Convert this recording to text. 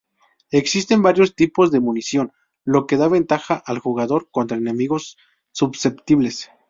Existen varios tipos de munición, lo que da ventaja al jugador contra enemigos susceptibles.